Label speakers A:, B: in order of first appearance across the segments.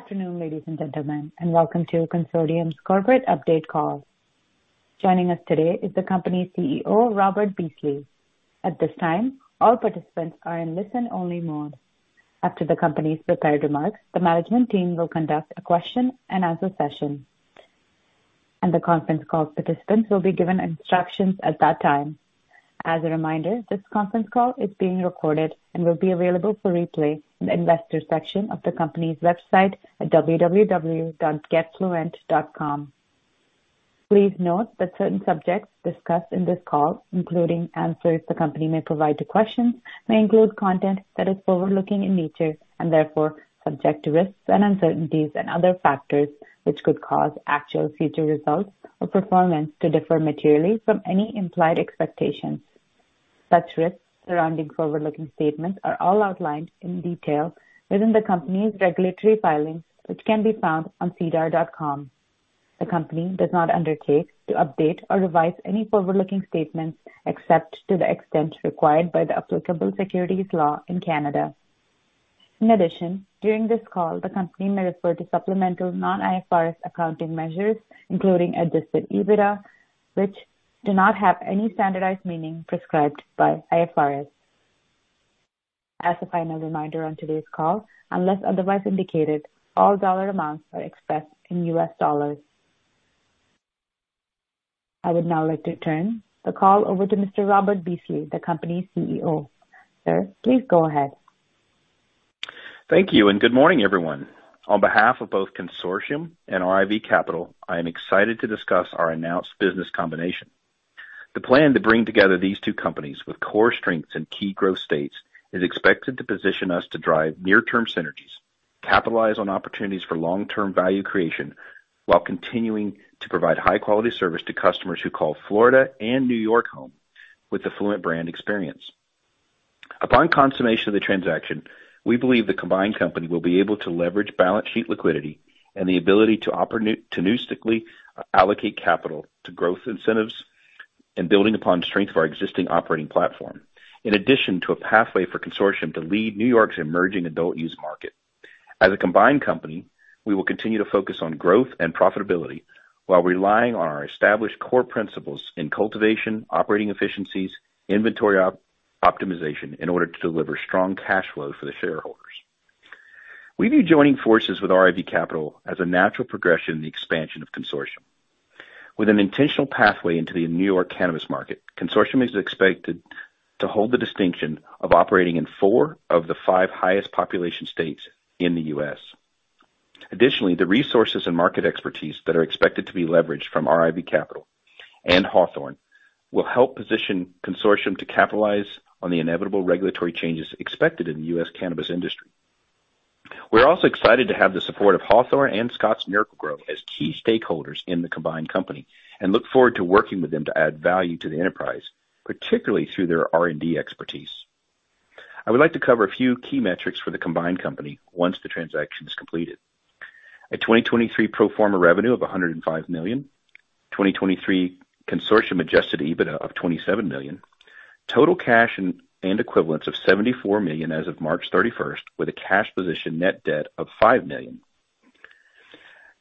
A: Good afternoon, ladies and gentlemen, and welcome to Cansortium's Corporate Update Call. Joining us today is the company's CEO, Robert Beasley. At this time, all participants are in listen-only mode. After the company's prepared remarks, the management team will conduct a question-and-answer session, and the conference call participants will be given instructions at that time. As a reminder, this conference call is being recorded and will be available for replay in the investor section of the company's website at www.getfluent.com. Please note that certain subjects discussed in this call, including answers the company may provide to questions, may include content that is forward-looking in nature, and therefore subject to risks and uncertainties and other factors, which could cause actual future results or performance to differ materially from any implied expectations. Such risks surrounding forward-looking statements are all outlined in detail within the company's regulatory filings, which can be found on SEDAR+. The company does not undertake to update or revise any forward-looking statements except to the extent required by the applicable securities law in Canada. In addition, during this call, the company may refer to supplemental non-IFRS accounting measures, including Adjusted EBITDA, which do not have any standardized meaning prescribed by IFRS. As a final reminder on today's call, unless otherwise indicated, all dollar amounts are expressed in US dollars. I would now like to turn the call over to Mr. Robert Beasley, the company's CEO. Sir, please go ahead.
B: Thank you, and good morning, everyone. On behalf of both Cansortium and RIV Capital, I am excited to discuss our announced business combination. The plan to bring together these two companies with core strengths and key growth states is expected to position us to drive near-term synergies, capitalize on opportunities for long-term value creation, while continuing to provide high-quality service to customers who call Florida and New York home with the Fluent brand experience. Upon consummation of the transaction, we believe the combined company will be able to leverage balance sheet liquidity and the ability to opportunistically allocate capital to growth incentives and building upon the strength of our existing operating platform, in addition to a pathway for Cansortium to lead New York's emerging adult-use market. As a combined company, we will continue to focus on growth and profitability while relying on our established core principles in cultivation, operating efficiencies, inventory optimization, in order to deliver strong cash flow for the shareholders. We view joining forces with RIV Capital as a natural progression in the expansion of Cansortium. With an intentional pathway into the New York cannabis market, Cansortium is expected to hold the distinction of operating in four of the five highest population states in the U.S. Additionally, the resources and market expertise that are expected to be leveraged from RIV Capital and Hawthorne will help position Cansortium to capitalize on the inevitable regulatory changes expected in the U.S. cannabis industry. We're also excited to have the support of Hawthorne and Scotts Miracle-Gro as key stakeholders in the combined company and look forward to working with them to add value to the enterprise, particularly through their R&D expertise. I would like to cover a few key metrics for the combined company once the transaction is completed. 2023 pro forma revenue of $105 million, 2023 Cansortium adjusted EBITDA of $27 million, total cash and equivalents of $74 million as of March 31st, with a cash position net debt of $5 million.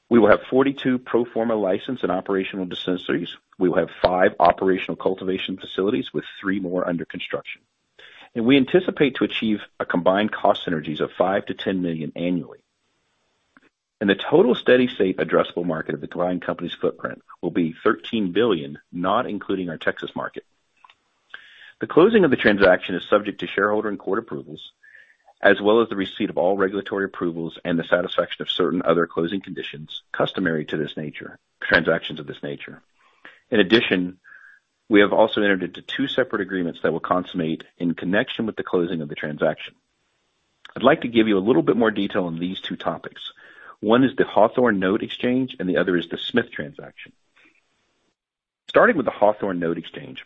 B: We will have 42 pro forma licensed and operational dispensaries. We will have 5 operational cultivation facilities with 3 more under construction. We anticipate to achieve a combined cost synergies of $5 million to $10 million annually. The total steady-state addressable market of the combined company's footprint will be $13 billion, not including our Texas market. The closing of the transaction is subject to shareholder and court approvals, as well as the receipt of all regulatory approvals and the satisfaction of certain other closing conditions customary to this nature, transactions of this nature. In addition, we have also entered into two separate agreements that will consummate in connection with the closing of the transaction. I'd like to give you a little bit more detail on these two topics. One is the Hawthorne Note Exchange, and the other is the Smith transaction. Starting with the Hawthorne Note Exchange,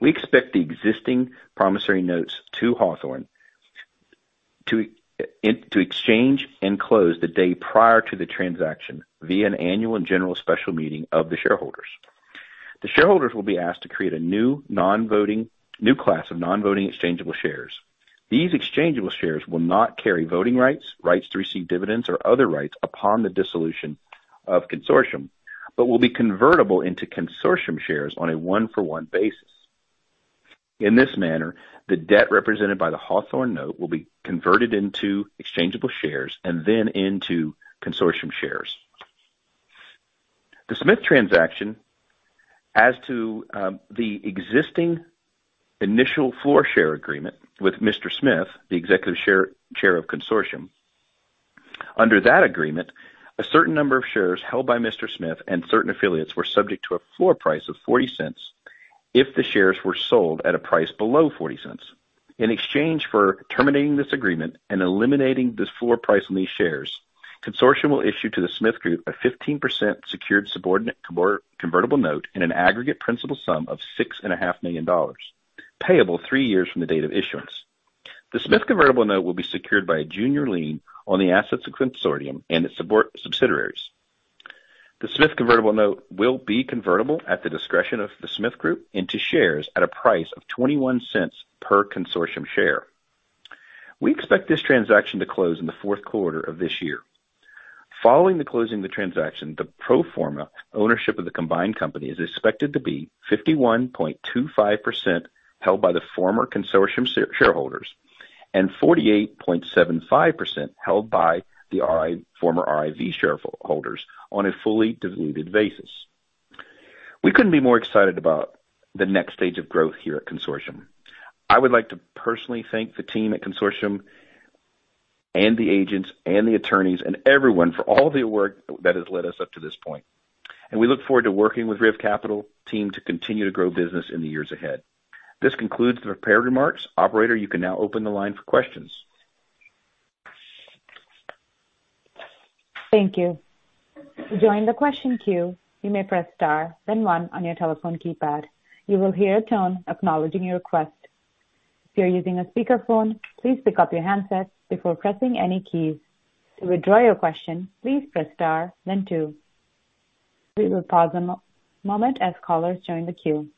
B: we expect the existing promissory notes to Hawthorne to exchange and close the day prior to the transaction via an annual and general special meeting of the shareholders. The shareholders will be asked to create a new class of non-voting exchangeable shares. These exchangeable shares will not carry voting rights, rights to receive dividends or other rights upon the dissolution of Cansortium, but will be convertible into Cansortium shares on a one-for-one basis. In this manner, the debt represented by the Hawthorne note will be converted into exchangeable shares and then into Cansortium shares. The Smith transaction, as to, the existing initial floor share agreement with Mr. Smith, the Executive Chairman of Cansortium. Under that agreement, a certain number of shares held by Mr. Smith and certain affiliates were subject to a floor price of $0.40 if the shares were sold at a price below $0.40. In exchange for terminating this agreement and eliminating this floor price on these shares, Cansortium will issue to the Smith Group a 15% secured subordinate convertible note in an aggregate principal sum of $6.5 million, payable 3 years from the date of issuance. The Smith convertible note will be secured by a junior lien on the assets of Cansortium and its subsidiaries. The Smith convertible note will be convertible at the discretion of the Smith Group into shares at a price of $0.21 per Cansortium share. We expect this transaction to close in the fourth quarter of this year. Following the closing of the transaction, the pro forma ownership of the combined company is expected to be 51.25% held by the former Cansortium shareholders, and 48.75% held by the former RIV shareholders on a fully diluted basis. We couldn't be more excited about the next stage of growth here at Cansortium. I would like to personally thank the team at Cansortium and the agents and the attorneys and everyone for all the work that has led us up to this point, and we look forward to working with RIV Capital team to continue to grow business in the years ahead. This concludes the prepared remarks. Operator, you can now open the line for questions.
A: Thank you. To join the question queue, you may press Star, then One on your telephone keypad. You will hear a tone acknowledging your request. If you're using a speakerphone, please pick up your handset before pressing any keys. To withdraw your question, please press Star then two. We will pause a moment as callers join the queue.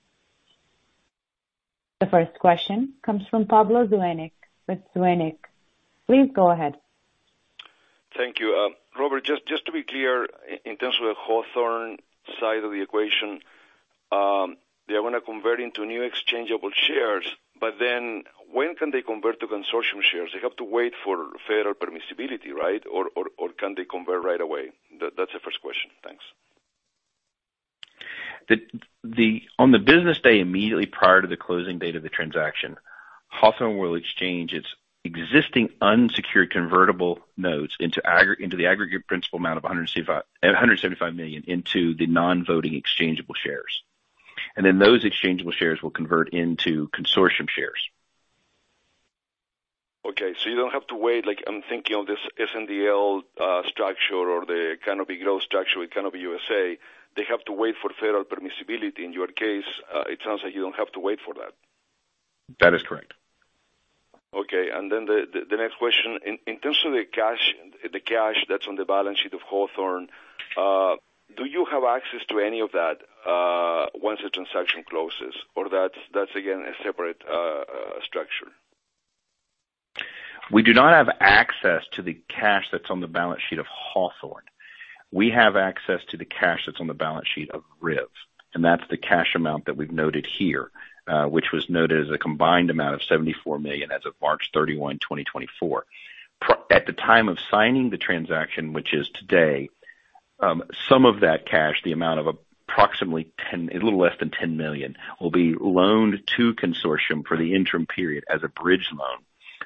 A: The first question comes from Pablo Zuanic with Zuanic. Please go ahead.
C: Thank you. Robert, just to be clear, in terms of the Hawthorne side of the equation, they are going to convert into new exchangeable shares, but then when can they convert to Cansortium shares? They have to wait for federal permissibility, right? Or, or, or can they convert right away? That's the first question. Thanks.
B: On the business day immediately prior to the closing date of the transaction, Hawthorne will exchange its existing unsecured convertible notes into the aggregate principal amount of $175 million into the non-voting exchangeable shares, and then those exchangeable shares will convert into Cansortium shares.
C: Okay, so you don't have to wait. Like I'm thinking of this SNDL structure or the Canopy Growth structure with Canopy USA. They have to wait for federal permissibility. In your case, it sounds like you don't have to wait for that.
B: That is correct.
C: Okay. And then the next question. In terms of the cash that's on the balance sheet of Hawthorne, do you have access to any of that once the transaction closes, or that's again a separate structure?
B: We do not have access to the cash that's on the balance sheet of Hawthorne. We have access to the cash that's on the balance sheet of RIV, and that's the cash amount that we've noted here, which was noted as a combined amount of $74 million as of March 31, 2024. At the time of signing the transaction, which is today, some of that cash, the amount of approximately $10 million, a little less than $10 million, will be loaned to Cansortium for the interim period as a bridge loan.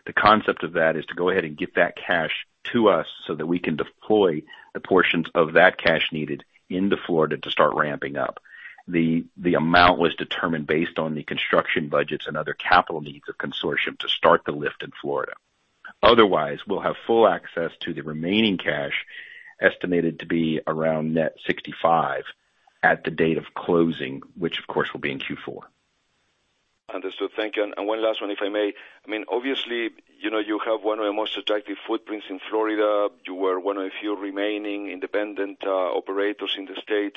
B: The concept of that is to go ahead and get that cash to us, so that we can deploy the portions of that cash needed into Florida to start ramping up. The amount was determined based on the construction budgets and other capital needs of Cansortium to start the lift in Florida. Otherwise, we'll have full access to the remaining cash, estimated to be around net $65 at the date of closing, which of course will be in Q4.
C: Understood. Thank you. And one last one, if I may. I mean, obviously, you know, you have one of the most attractive footprints in Florida. You were one of the few remaining independent operators in the state,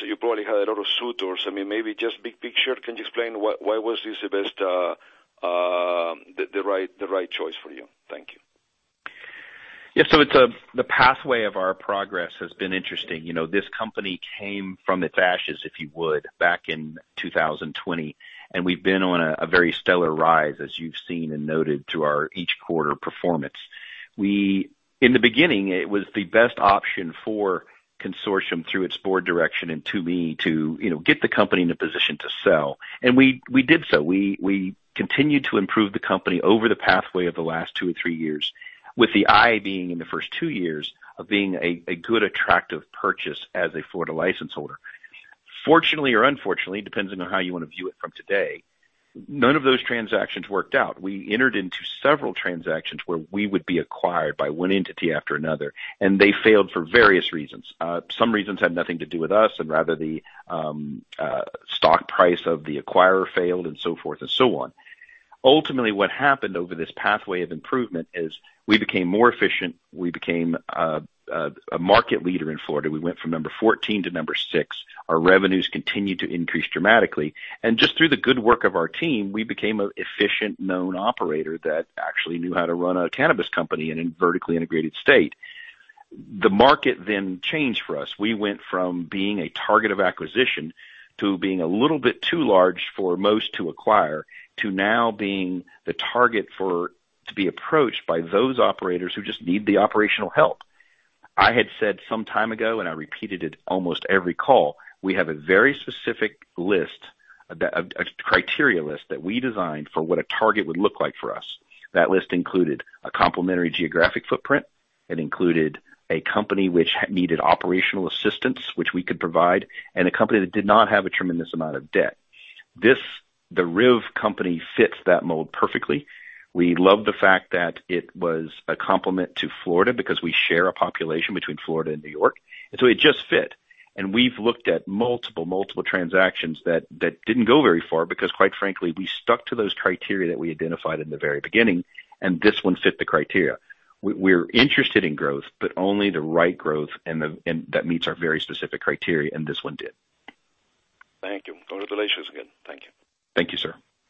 C: so you probably had a lot of suitors. I mean, maybe just big picture, can you explain why this was the best, the right choice for you? Thank you.
B: Yeah, so it's the pathway of our progress has been interesting. You know, this company came from its ashes, if you would, back in 2020, and we've been on a very stellar rise, as you've seen and noted, through our each quarter performance. In the beginning, it was the best option for Cansortium through its board direction and to me to, you know, get the company in a position to sell. And we, we did so. We, we continued to improve the company over the pathway of the last two or three years, with the eye being in the first two years of being a good, attractive purchase as a Florida license holder. Fortunately, or unfortunately, depending on how you want to view it from today, none of those transactions worked out. We entered into several transactions where we would be acquired by one entity after another, and they failed for various reasons. Some reasons had nothing to do with us, and rather the stock price of the acquirer failed and so forth and so on. Ultimately, what happened over this pathway of improvement is we became more efficient. We became a market leader in Florida. We went from number 14 to number 6. Our revenues continued to increase dramatically, and just through the good work of our team, we became an efficient, known operator that actually knew how to run a cannabis company in a vertically integrated state. The market then changed for us. We went from being a target of acquisition to being a little bit too large for most to acquire, to now being the target for, to be approached by those operators who just need the operational help. I had said some time ago, and I repeated it almost every call, we have a very specific list, a criteria list, that we designed for what a target would look like for us. That list included a complementary geographic footprint. It included a company which needed operational assistance, which we could provide, and a company that did not have a tremendous amount of debt. This, the RIV company, fits that mold perfectly. We love the fact that it was a complement to Florida because we share a population between Florida and New York, and so it just fit. We've looked at multiple, multiple transactions that didn't go very far because, quite frankly, we stuck to those criteria that we identified in the very beginning, and this one fit the criteria. We're interested in growth, but only the right growth, and that meets our very specific criteria, and this one did.
C: Thank you. Congratulations again. Thank you.
B: Thank you, sir.